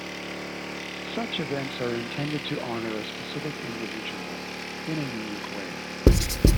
Such events are intended to honor a specific individual in a unique way.